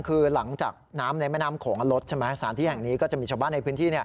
คือหลังจากน้ำในแม่น้ำโขงลดใช่ไหมสถานที่แห่งนี้ก็จะมีชาวบ้านในพื้นที่